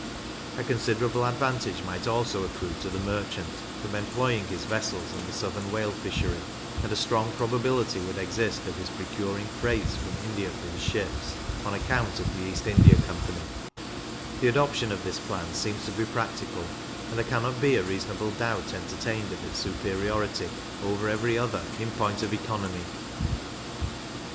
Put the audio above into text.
A considerable advantage might also accrue to the merchant from employing his vessels in the Southern Whale fishery, and a strong probability would exist of his procuring freights from India for his ships, on account of the East India Company: The adoption of this plan seems to be practicable, and there cannot be a reasonable doubt entertained of its superiority over every other in point of economy.